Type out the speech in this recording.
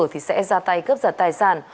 thì sẽ ra tay cướp giặt tài sản